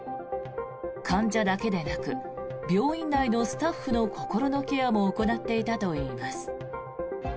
患者だけでなく病院内のスタッフの心のケアも行っていたといいます。